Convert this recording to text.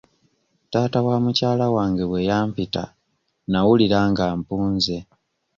Taata wa mukyala wange bwe yampita nnawulira nga mpunze.